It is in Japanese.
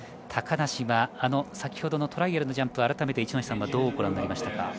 高梨の先ほどのトライアルのジャンプどうご覧になりましたか？